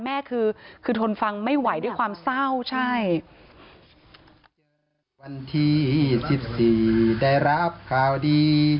แม่คือทนฟังไม่ไหวด้วยความเศร้าใช่